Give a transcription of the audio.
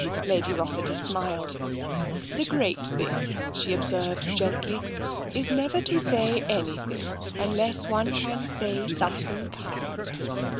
Lady Rossiter smiled. " The great thing," she observed gently, " is never to say anything, unless one can say something kind.